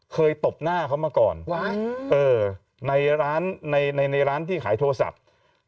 เคยตบหน้าเขามาก่อนในร้านที่ขายโทรศัพท์ไว้